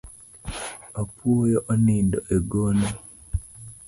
Apuoyo onindo e gono